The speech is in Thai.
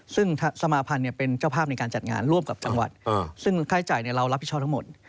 ซึ่งสมาภัณฑ์เป็นเจ้าภาพในการจัดงานร่วมกับจังหวัดซึ่งค่าใช้จ่ายเรารับผิดชอบทั้งหมด